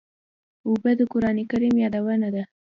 اوبه د قرآن کریم یادونه ده.